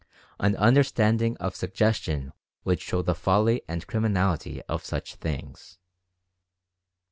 An understanding of suggestion would show the folly and criminality of such things.)